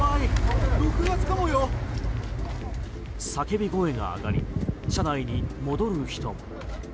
叫び声が上がり車内に戻る人も。